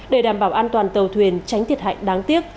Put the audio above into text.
để đảm bảo an toàn tàu thuyền tránh thiệt hại đáng tiếc